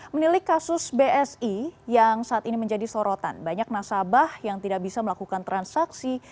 menilik kasus bsi yang saat ini menjadi sorotan banyak nasabah yang tidak bisa melakukan transaksi